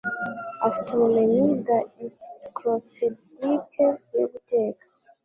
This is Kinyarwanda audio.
Afite ubumenyi bwa ensiklopedike yo guteka.